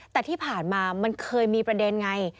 แต่ที่ผ่านมามันเคยมีประเด็นไง